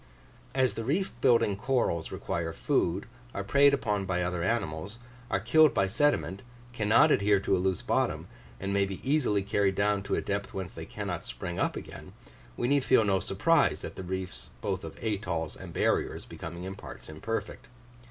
As the reef building corals require food, are preyed upon by other animals, are killed by sediment, cannot adhere to a loose bottom, and may be easily carried down to a depth whence they cannot spring up again, we need feel no surprise at the reefs both of atolls and barriers becoming in parts imperfect.